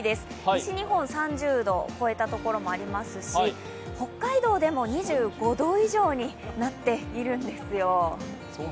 西日本は３０度を超えた所もありますし、北海道でも２５度以上になっているんですよ。